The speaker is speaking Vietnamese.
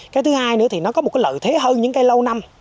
cái thứ hai nữa thì nó có một cái lợi thế hơn những cái lâu năm